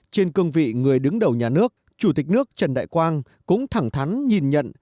trên cương vị người đứng đầu nhà nước chủ tịch nước trần đại quang cũng thẳng thắn nhìn nhận